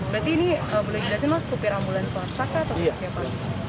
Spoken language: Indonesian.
berarti ini boleh diperhatikan supir ambulans suara staf atau supir pangsa